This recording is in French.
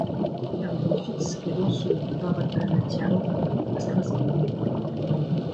Caroline Fix est danseuse de bharata natyam à Strasbourg.